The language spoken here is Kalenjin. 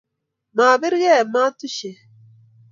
mabirgei ematushwek